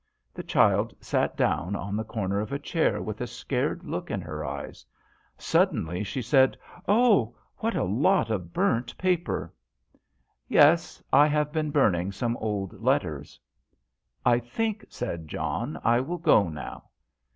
The child sat down on the corner of a chair with a scared look in her eyes. Suddenly she said "Oh, what a lot of burnt paper !" 164 JOHN SHERMAN. " Yes ; I have been burning some old letters/' " I think," said John, " I will go now."